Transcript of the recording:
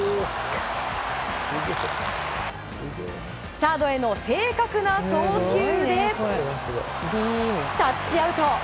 サードへの正確な送球でタッチアウト！